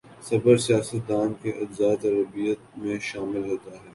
صبر سیاست دان کے اجزائے ترکیبی میں شامل ہوتا ہے۔